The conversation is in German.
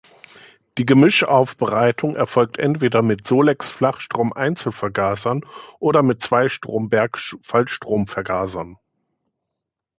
Die Gemischaufbereitung erfolgte entweder mit Solex-Flachstrom-Einzelvergasern oder mit zwei Stromberg-Fallstromvergasern.